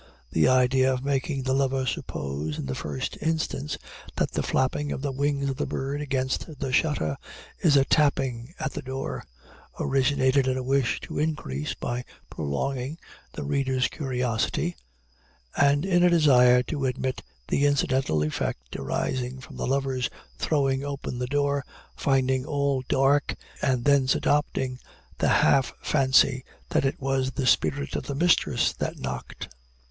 The idea of making the lover suppose, in the first instance, that the flapping of the wings of the bird against the shutter, is a "tapping" at the door, originated in a wish to increase, by prolonging, the reader's curiosity, and in a desire to admit the incidental effect arising from the lover's throwing open the door, finding all dark, and thence adopting the half fancy that it was the spirit of his mistress that knocked.